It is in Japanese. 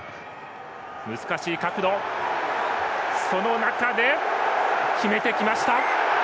難しい角度の中で決めてきました。